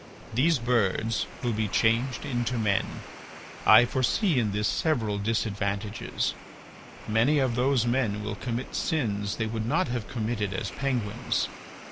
These birds will be changed into men. I foresee in this several disadvantages. Many of those men will commit sins they would not have committed as penguins.